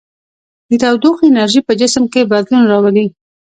د تودوخې انرژي په جسم کې بدلون راولي.